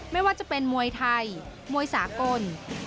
ก็จะเป็นมวยไทยมวยสากล